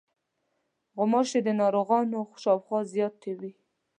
غوماشې د ناروغانو شاوخوا زیاتې وي.